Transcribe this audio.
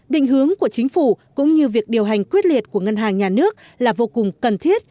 định hướng của chính phủ cũng như việc điều hành quyết liệt của ngân hàng nhà nước là vô cùng cần thiết